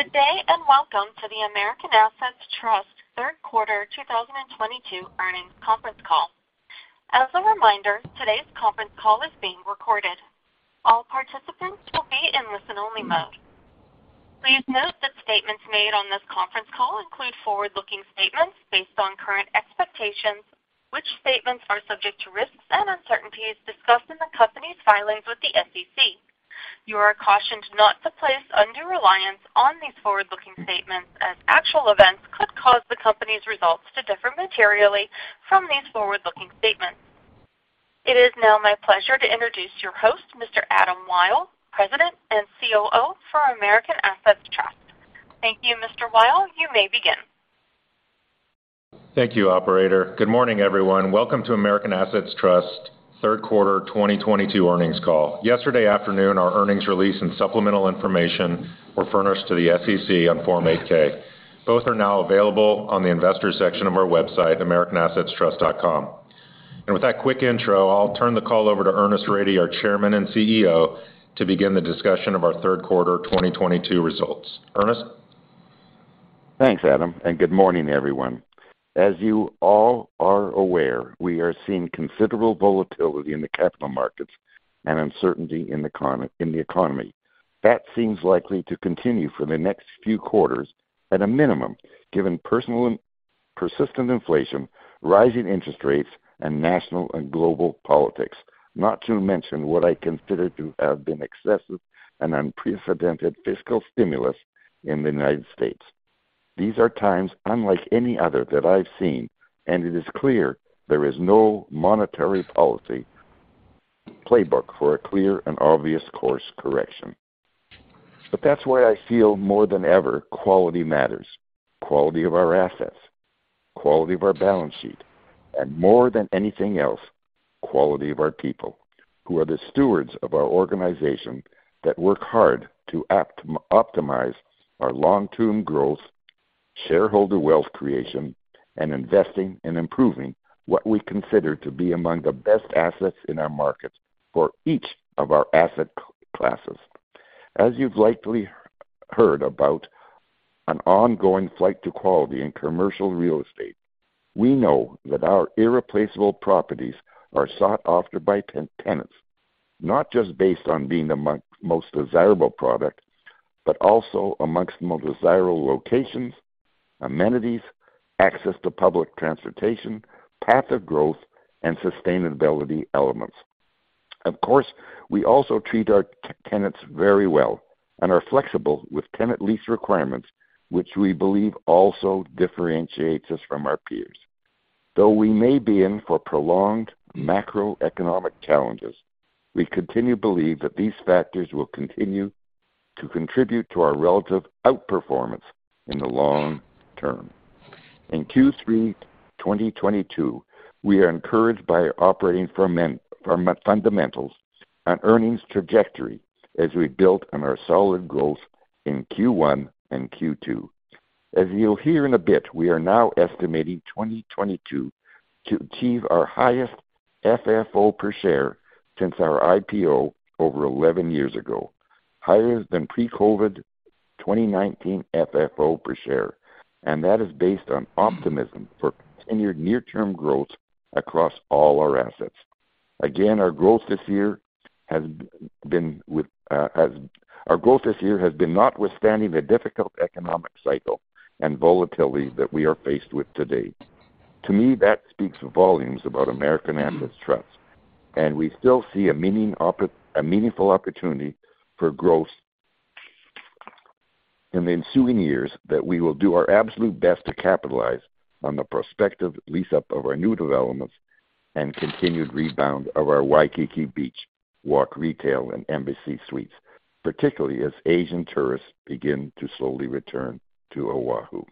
`Good day, and welcome to the American Assets Trust third quarter 2022 earnings conference call. As a reminder, today's conference call is being recorded. All participants will be in listen only mode. Please note that statements made on this conference call include forward-looking statements based on current expectations, which statements are subject to risks and uncertainties discussed in the company's filings with the SEC. You are cautioned not to place undue reliance on these forward-looking statements, as actual events could cause the company's results to differ materially from these forward-looking statements. It is now my pleasure to introduce your host, Mr. Adam Wyll, President and Chief Executive Officer for American Assets Trust. Thank you, Mr. Wyll. You may begin. Thank you, operator. Good morning, everyone. Welcome to American Assets Trust third quarter 2022 earnings call. Yesterday afternoon, our earnings release and supplemental information were furnished to the SEC on Form 8-K. Both are now available on the investor section of our website, americanassetstrust.com. With that quick intro, I'll turn the call over to Ernest Rady, our Chairman and CEO, to begin the discussion of our third quarter 2022 results. Ernest? Thanks, Adam, and good morning, everyone. As you all are aware, we are seeing considerable volatility in the capital markets and uncertainty in the economy. That seems likely to continue for the next few quarters at a minimum, given persistent inflation, rising interest rates, and national and global politics, not to mention what I consider to have been excessive and unprecedented fiscal stimulus in the United States. These are times unlike any other that I've seen, and it is clear there is no monetary policy playbook for a clear and obvious course correction. That's why I feel more than ever quality matters, quality of our assets, quality of our balance sheet, and more than anything else, quality of our people who are the stewards of our organization that work hard to optimize our long-term growth, shareholder wealth creation, and investing and improving what we consider to be among the best assets in our markets for each of our asset classes. As you've likely heard about an ongoing flight to quality in commercial real estate, we know that our irreplaceable properties are sought after by tenants, not just based on being the most desirable product, but also amongst the most desirable locations, amenities, access to public transportation, path of growth, and sustainability elements. Of course, we also treat our tenants very well and are flexible with tenant lease requirements, which we believe also differentiates us from our peers. Though we may be in for prolonged macroeconomic challenges, we continue to believe that these factors will continue to contribute to our relative outperformance in the long term. In Q3 2022, we are encouraged by operating fundamentals and earnings trajectory as we built on our solid growth in Q1 and Q2. As you'll hear in a bit, we are now estimating 2022 to achieve our highest FFO per share since our IPO over 11 years ago, higher than pre-COVID 2019 FFO per share. That is based on optimism for continued near-term growth across all our assets. Again, our growth this year has been notwithstanding the difficult economic cycle and volatility that we are faced with today. To me, that speaks volumes about American Assets Trust, and we still see a meaningful opportunity for growth in the ensuing years that we will do our absolute best to capitalize on the prospective lease-up of our new developments and continued rebound of our Waikiki Beach Walk Retail and Embassy Suites, particularly as Asian tourists begin to slowly return to Oahu.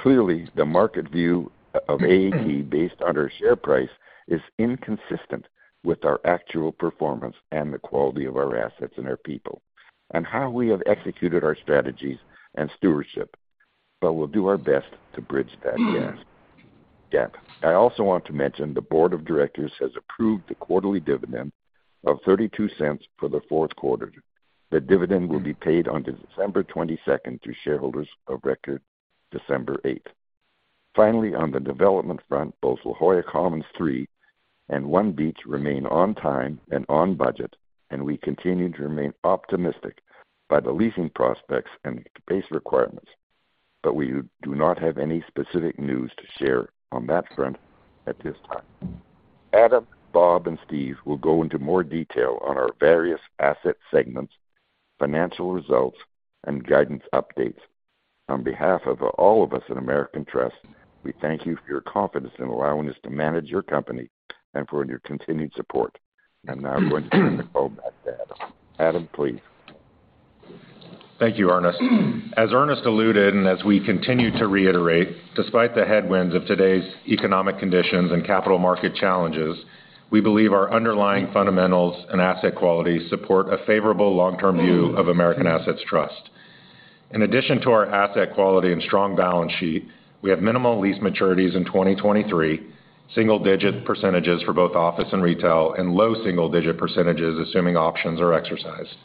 Clearly, the market view of AAT based on our share price is inconsistent with our actual performance and the quality of our assets and our people, and how we have executed our strategies and stewardship, but we'll do our best to bridge that gap. I also want to mention the board of directors has approved the quarterly dividend of $0.32 for the fourth quarter. The dividend will be paid on December twenty-second to shareholders of record December eighth. Finally, on the development front, both La Jolla Commons III and One Beach Street remain on time and on budget, and we continue to remain optimistic by the leasing prospects and space requirements, but we do not have any specific news to share on that front at this time. Adam, Bob, and Steve will go into more detail on our various asset segments, financial results, and guidance updates. On behalf of all of us at American Assets Trust, we thank you for your confidence in allowing us to manage your company and for your continued support. I'm now going to turn the call back to Adam. Adam, please. Thank you, Ernest. As Ernest alluded and as we continue to reiterate, despite the headwinds of today's economic conditions and capital market challenges, we believe our underlying fundamentals and asset quality support a favorable long-term view of American Assets Trust. In addition to our asset quality and strong balance sheet, we have minimal lease maturities in 2023. Single-digit percentages for both office and retail, and low single-digit percentages assuming options are exercised.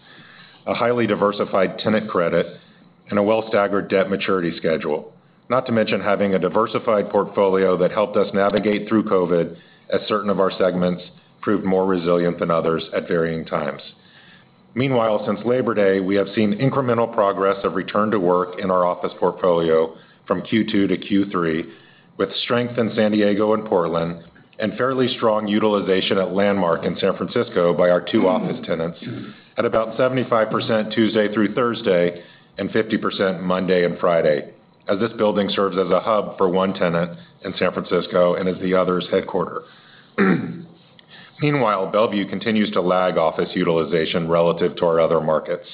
A highly diversified tenant credit and a well staggered debt maturity schedule. Not to mention having a diversified portfolio that helped us navigate through COVID as certain of our segments proved more resilient than others at varying times. Meanwhile, since Labor Day, we have seen incremental progress of return to work in our office portfolio from Q2 to Q3, with strength in San Diego and Portland, and fairly strong utilization at Landmark in San Francisco by our two office tenants at about 75% Tuesday through Thursday and 50% Monday and Friday, as this building serves as a hub for one tenant in San Francisco and is the other's headquarters. Meanwhile, Bellevue continues to lag office utilization relative to our other markets.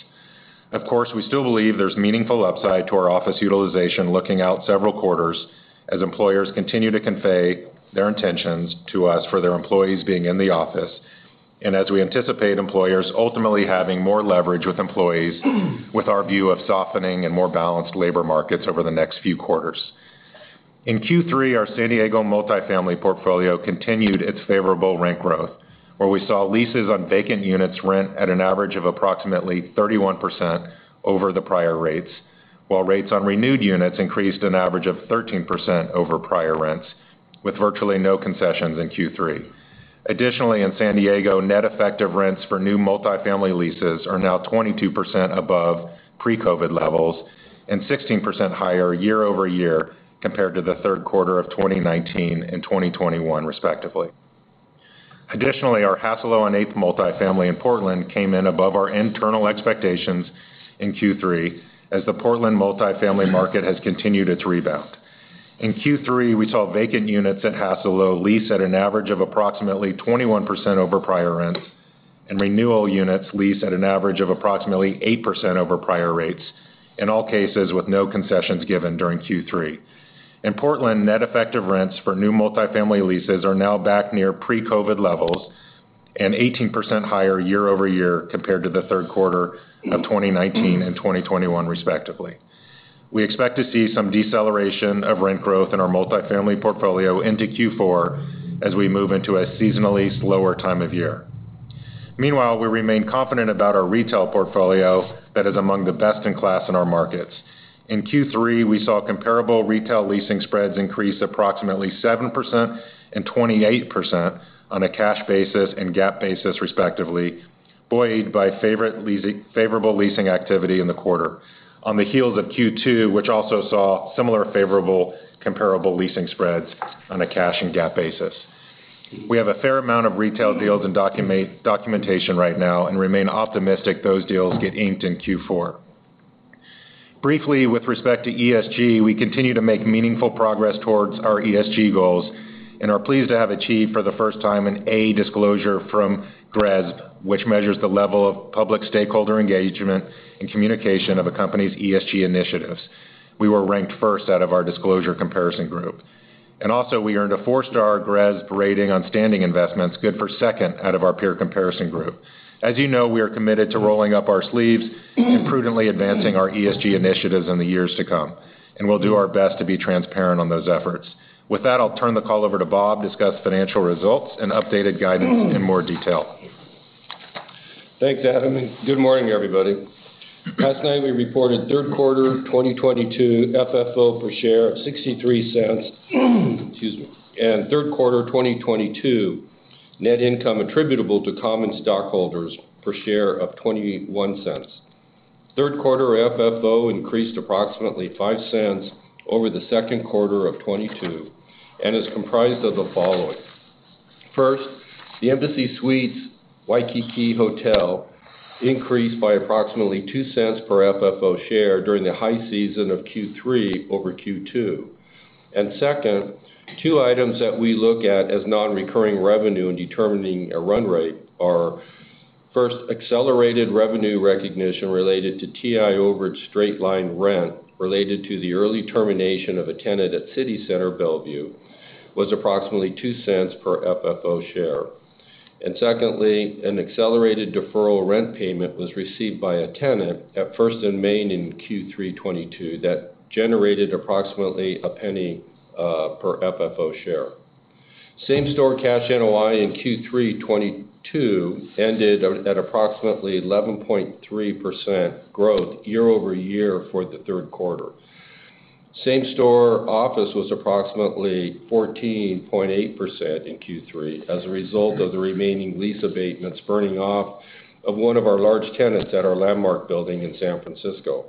Of course, we still believe there's meaningful upside to our office utilization looking out several quarters as employers continue to convey their intentions to us for their employees being in the office, and as we anticipate employers ultimately having more leverage with employees, with our view of softening and more balanced labor markets over the next few quarters. In Q3, our San Diego multifamily portfolio continued its favorable rent growth, where we saw leases on vacant units rent at an average of approximately 31% over the prior rates, while rates on renewed units increased an average of 13% over prior rents, with virtually no concessions in Q3. Additionally, in San Diego, net effective rents for new multifamily leases are now 22% above pre-COVID levels and 16% higher year-over-year compared to the third quarter of 2019 and 2021 respectively. Additionally, our Hassalo on Eighth multifamily in Portland came in above our internal expectations in Q3 as the Portland multifamily market has continued its rebound. In Q3, we saw vacant units at Hassalo lease at an average of approximately 21% over prior rents and renewal units lease at an average of approximately 8% over prior rates, in all cases with no concessions given during Q3. In Portland, net effective rents for new multifamily leases are now back near pre-COVID levels and 18% higher year-over-year compared to the third quarter of 2019 and 2021 respectively. We expect to see some deceleration of rent growth in our multifamily portfolio into Q4 as we move into a seasonally slower time of year. Meanwhile, we remain confident about our retail portfolio that is among the best in class in our markets. In Q3, we saw comparable retail leasing spreads increase approximately 7% and 28% on a cash basis and GAAP basis respectively, buoyed by favorable leasing activity in the quarter. On the heels of Q2, which also saw similar favorable comparable leasing spreads on a cash and GAAP basis. We have a fair amount of retail deals and documentation right now and remain optimistic those deals get inked in Q4. Briefly, with respect to ESG, we continue to make meaningful progress towards our ESG goals and are pleased to have achieved for the first time an A disclosure from GRESB, which measures the level of public stakeholder engagement and communication of a company's ESG initiatives. We were ranked first out of our disclosure comparison group. Also, we earned a four-star GRESB rating on standing investments, good for second out of our peer comparison group. As you know, we are committed to rolling up our sleeves and prudently advancing our ESG initiatives in the years to come, and we'll do our best to be transparent on those efforts. With that, I'll turn the call over to Bob to discuss financial results and updated guidance in more detail. Thanks, Adam, and good morning, everybody. Last night, we reported third quarter 2022 FFO per share of $0.63. Excuse me. Third quarter 2022 net income attributable to common stockholders per share of $0.21. Third quarter FFO increased approximately $0.05 over the second quarter of 2022 and is comprised of the following. First, the Embassy Suites by Hilton Waikiki Beach Walk increased by approximately $0.02 per FFO share during the high season of Q3 over Q2. Second, two items that we look at as non-recurring revenue in determining a run rate are, first, accelerated revenue recognition related to TI overage, straight-line rent related to the early termination of a tenant at City Center Bellevue was approximately $0.02 per FFO share. Secondly, an accelerated deferred rent payment was received by a tenant at First & Main in Q3 2022 that generated approximately $0.01 per FFO share. Same-store cash NOI in Q3 2022 ended at approximately 11.3% growth year-over-year for the third quarter. Same-store office was approximately 14.8% in Q3 as a result of the remaining lease abatements burning off of one of our large tenants at our Landmark building in San Francisco.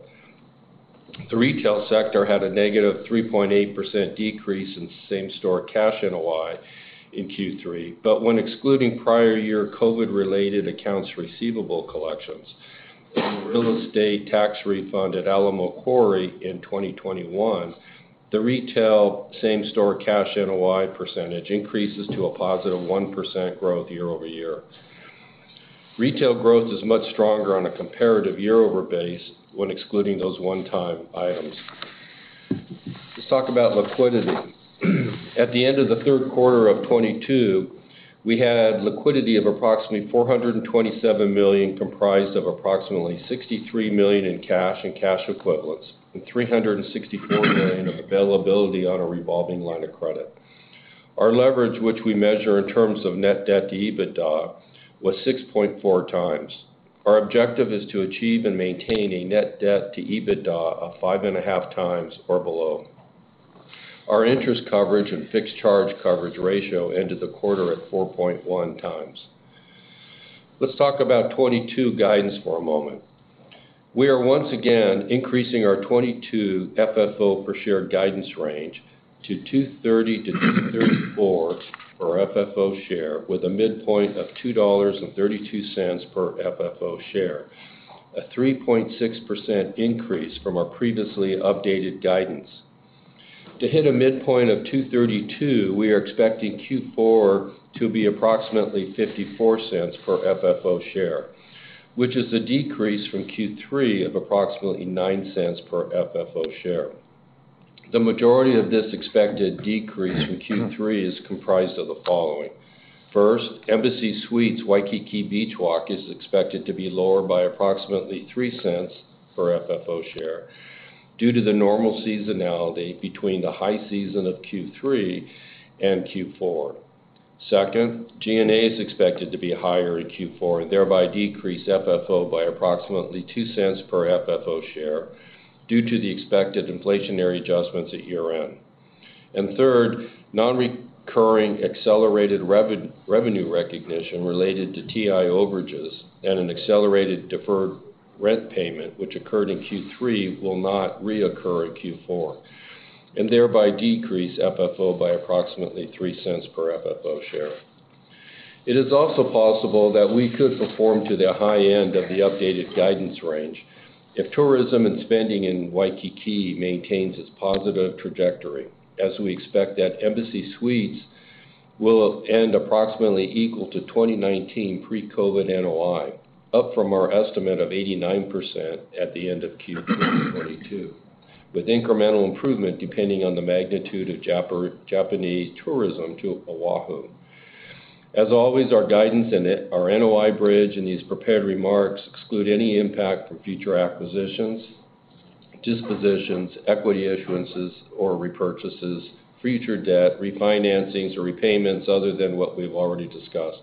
The retail sector had a -3.8% decrease in same-store cash NOI in Q3, but when excluding prior year COVID-related accounts receivable collections and real estate tax refund at Alamo Quarry in 2021, the retail same-store cash NOI percentage increases to a +1% growth year-over-year. Retail growth is much stronger on a comparative year-over-year basis when excluding those one-time items. Let's talk about liquidity. At the end of the third quarter of 2022. We had liquidity of approximately $427 million, comprised of approximately $63 million in cash and cash equivalents, and $364 million of availability on a revolving line of credit. Our leverage, which we measure in terms of net debt to EBITDA, was 6.4x. Our objective is to achieve and maintain a net debt to EBITDA of 5.5x or below. Our interest coverage and fixed charge coverage ratio ended the quarter at 4.1x. Let's talk about 2022 guidance for a moment. We are once again increasing our 2022 FFO per share guidance range to $2.30-$2.34 for FFO per share with a midpoint of $2.32 per FFO per share, a 3.6% increase from our previously updated guidance. To hit a midpoint of $2.32, we are expecting Q4 to be approximately $0.54 per FFO per share, which is a decrease from Q3 of approximately $0.09 per FFO per share. The majority of this expected decrease in Q3 is comprised of the following. First, Embassy Suites by Hilton Waikiki Beach Walk is expected to be lower by approximately $0.03 per FFO per share due to the normal seasonality between the high season of Q3 and Q4. Second, G&A is expected to be higher in Q4 and thereby decrease FFO by approximately $0.02 per FFO per share due to the expected inflationary adjustments at year-end. Third, non-recurring accelerated revenue recognition related to TI overages and an accelerated deferred rent payment which occurred in Q3 will not reoccur in Q4 and thereby decrease FFO by approximately $0.03 per FFO share. It is also possible that we could perform to the high end of the updated guidance range if tourism and spending in Waikiki maintains its positive trajectory, as we expect that Embassy Suites will end approximately equal to 2019 pre-COVID NOI, up from our estimate of 89% at the end of Q3 2022, with incremental improvement depending on the magnitude of Japanese tourism to Oahu. As always, our guidance and our NOI bridge in these prepared remarks exclude any impact from future acquisitions, dispositions, equity issuances or repurchases, future debt, refinancings, or repayments other than what we've already discussed.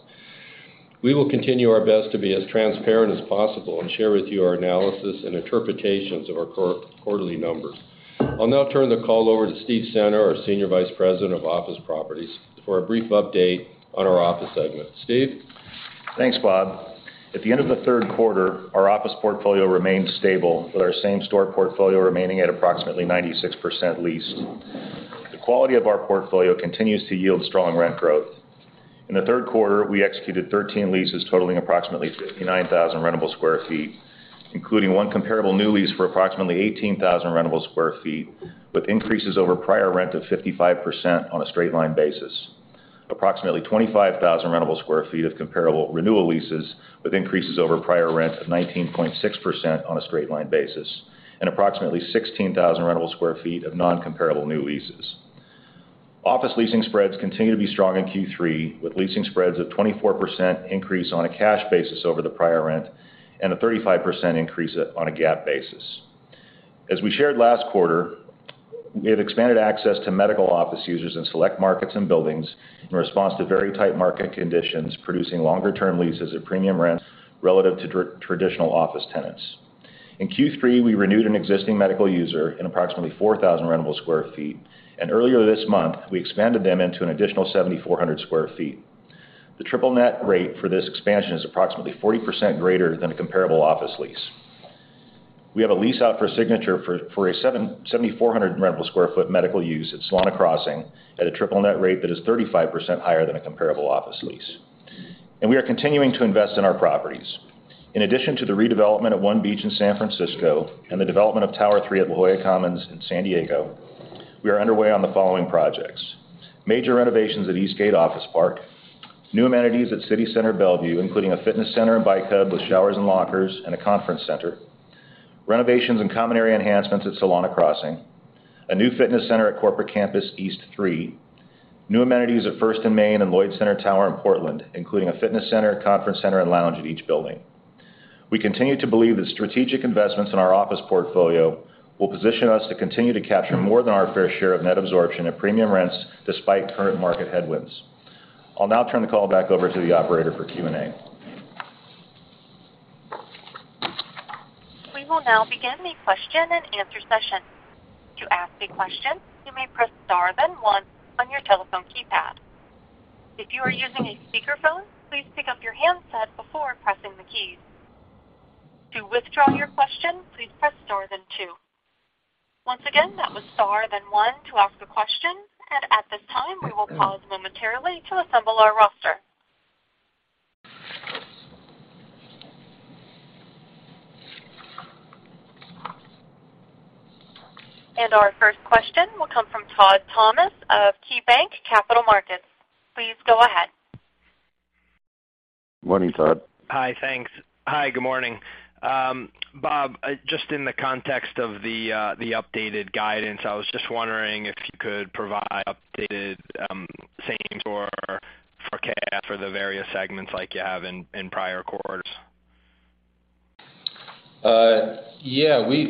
We will continue our best to be as transparent as possible and share with you our analysis and interpretations of our core quarterly numbers. I'll now turn the call over to Steve Center, our Senior Vice President of Office Properties, for a brief update on our office segment. Steve? Thanks, Bob. At the end of the third quarter, our office portfolio remained stable, with our same store portfolio remaining at approximately 96% leased. The quality of our portfolio continues to yield strong rent growth. In the third quarter, we executed 13 leases totaling approximately 59,000 rentable sq ft, including one comparable new lease for approximately 18,000 rentable sq ft, with increases over prior rent of 55% on a straight line basis, approximately 25,000 rentable sq ft of comparable renewal leases, with increases over prior rent of 19.6% on a straight line basis, and approximately 16,000 rentable sq ft of non-comparable new leases. Office leasing spreads continue to be strong in Q3, with leasing spreads of 24% increase on a cash basis over the prior rent and a 35% increase on a GAAP basis. As we shared last quarter, we have expanded access to medical office users in select markets and buildings in response to very tight market conditions, producing longer term leases at premium rents relative to traditional office tenants. In Q3, we renewed an existing medical user in approximately 4,000 rentable sq ft, and earlier this month, we expanded them into an additional 7,400 sq ft. The triple net rate for this expansion is approximately 40% greater than a comparable office lease. We have a lease out for signature for a 7,400 rentable sq ft medical use at Solana Crossing at a triple net rate that is 35% higher than a comparable office lease. We are continuing to invest in our properties. In addition to the redevelopment of One Beach Street in San Francisco and the development of Tower III at La Jolla Commons in San Diego, we are underway on the following projects. Major renovations at Eastgate Office Park, new amenities at City Center Bellevue, including a fitness center and bike hub with showers and lockers, and a conference center. Renovations and common area enhancements at Solana Crossing. A new fitness center at Corporate Campus East III. New amenities at First & Main and Lloyd Center Tower in Portland, including a fitness center, conference center, and lounge at each building. We continue to believe that strategic investments in our office portfolio will position us to continue to capture more than our fair share of net absorption at premium rents despite current market headwinds. I'll now turn the call back over to the operator for Q&A. We will now begin the question-and-answer session. To ask a question, you may press star, then one on your telephone keypad. If you are using a speakerphone, please pick up your handset before pressing the keys. To withdraw your question, please press star, then two. Once again, that was star, then one to ask a question. At this time, we will pause momentarily to assemble our roster. Our first question will come from Todd Thomas of KeyBanc Capital Markets. Please go ahead. Morning, Todd. Hi, thanks. Hi, good morning. Bob, just in the context of the updated guidance, I was just wondering if you could provide updated same-store forecasts for the various segments like you have in prior quarters. Yeah. We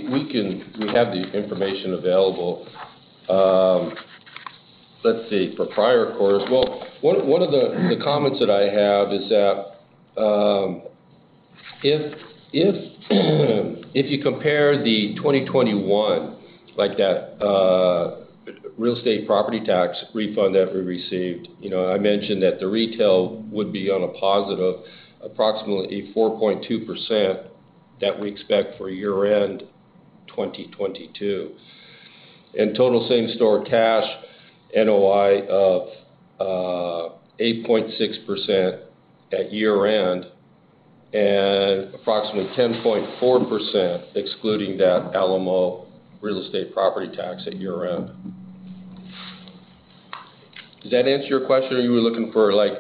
have the information available. Let's see. For prior quarters. Well, one of the comments that I have is that, if you compare the 2021, like that, real estate property tax refund that we received, you know, I mentioned that the retail would be on a positive, approximately 4.2% that we expect for year-end 2022. Total same-store cash NOI of 8.6% at year-end, and approximately 10.4% excluding that Alamo real estate property tax at year-end. Does that answer your question, or you were looking for, like,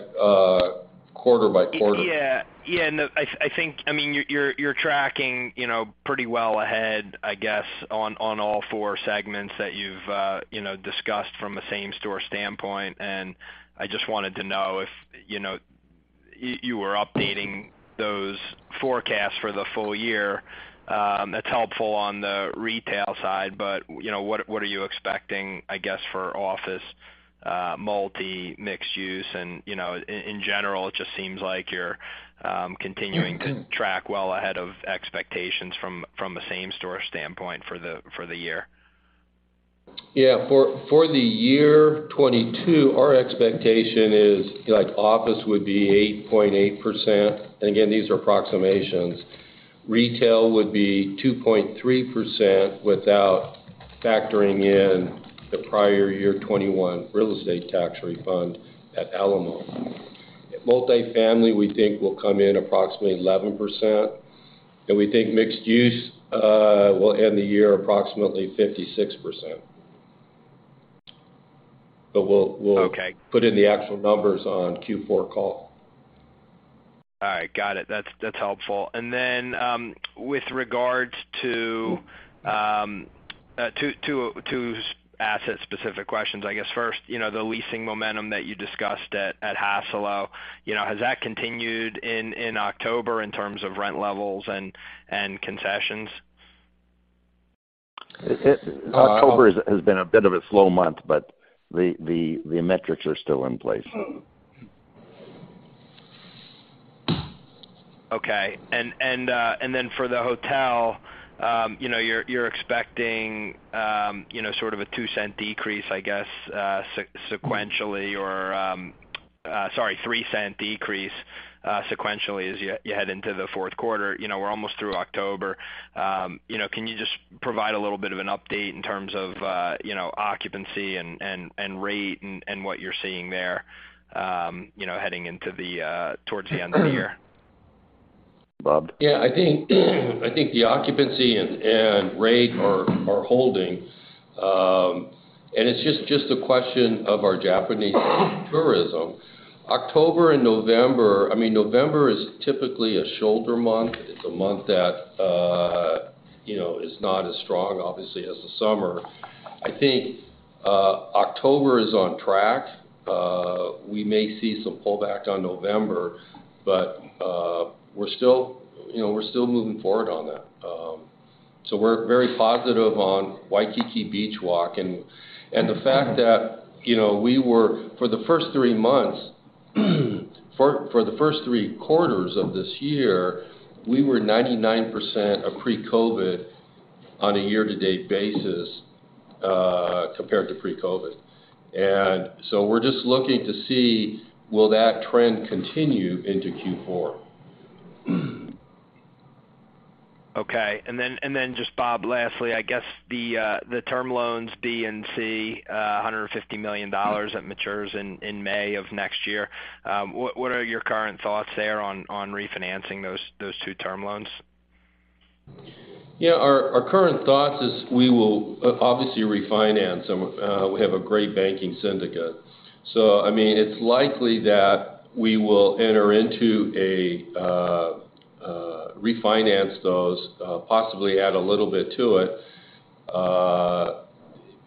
quarter by quarter? Yeah. Yeah, no, I think, I mean, you're tracking, you know, pretty well ahead, I guess, on all four segments that you've, you know, discussed from a same-store standpoint. I just wanted to know if, you know, you were updating those forecasts for the full year. That's helpful on the retail side, but, you know, what are you expecting, I guess, for office, multifamily, mixed-use and, you know, in general it just seems like you're continuing to track well ahead of expectations from a same-store standpoint for the year. Yeah. For the year 2022, our expectation is like office would be 8.8%. Again, these are approximations. Retail would be 2.3% without factoring in the prior year 2021 real estate tax refund at Alamo. Multifamily, we think will come in approximately 11%. We think mixed use will end the year approximately 56%. We'll Okay. Put in the actual numbers on Q4 call. All right, got it. That's helpful. With regards to two asset-specific questions. I guess first, you know, the leasing momentum that you discussed at Hassalo, you know, has that continued in October in terms of rent levels and concessions? October has been a bit of a slow month, but the metrics are still in place. Okay. Then for the hotel, you know, you're expecting, you know, sort of a $0.02 decrease, I guess, sequentially or, sorry, $0.03 decrease, sequentially as you head into the fourth quarter. You know, we're almost through October. You know, can you just provide a little bit of an update in terms of, you know, occupancy and rate and what you're seeing there, you know, heading towards the end of the year? Bob? Yeah. I think the occupancy and rate are holding. It's just a question of our Japanese tourism. October and November. I mean, November is typically a shoulder month. It's a month that you know is not as strong obviously as the summer. I think October is on track. We may see some pullback on November, but we're still, you know, moving forward on that. We're very positive on Waikiki Beach Walk and the fact that you know for the first three quarters of this year we were 99% of pre-COVID on a year-to-date basis compared to pre-COVID. We're just looking to see will that trend continue into Q4? Just Bob, lastly, I guess the term loans D and C, $150 million that matures in May of next year, what are your current thoughts there on refinancing those two term loans? Yeah. Our current thoughts is we will obviously refinance, and we have a great banking syndicate. I mean, it's likely that we will enter into a refinance those, possibly add a little bit to it.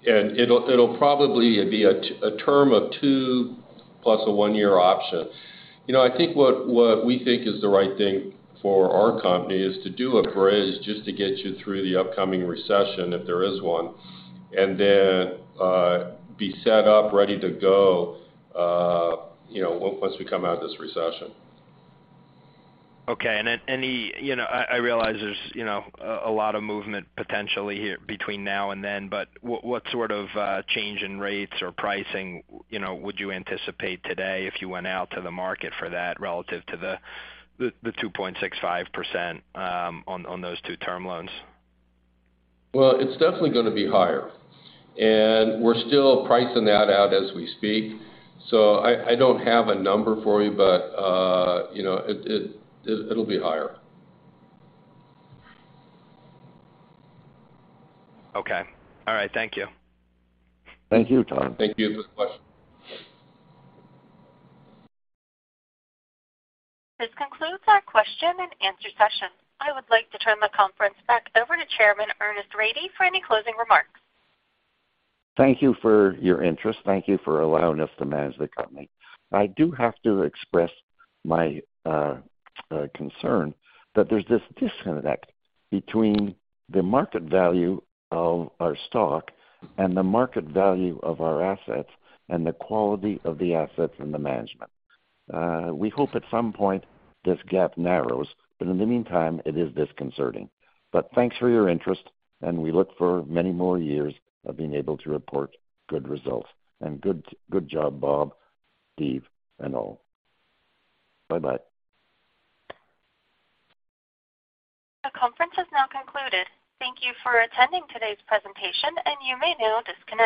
And it'll probably be a term of two plus a one-year option. You know, I think what we think is the right thing for our company is to do a bridge just to get you through the upcoming recession, if there is one, and then be set up, ready to go, you know, once we come out of this recession. Okay. You know, I realize there's, you know, a lot of movement potentially here between now and then, but what sort of change in rates or pricing, you know, would you anticipate today if you went out to the market for that relative to the 2.65% on those two term loans? Well, it's definitely gonna be higher. We're still pricing that out as we speak. I don't have a number for you, but, you know, it'll be higher. Okay. All right. Thank you. Thank you, Todd. Thank you for the question. This concludes our question and answer session. I would like to turn the conference back over to Chairman Ernest Rady for any closing remarks. Thank you for your interest. Thank you for allowing us to manage the company. I do have to express my concern that there's this disconnect between the market value of our stock and the market value of our assets and the quality of the assets and the management. We hope at some point this gap narrows, but in the meantime, it is disconcerting. But thanks for your interest, and we look for many more years of being able to report good results. Good job, Bob, Steve, and all. Bye-bye. The conference has now concluded. Thank you for attending today's presentation, and you may now disconnect.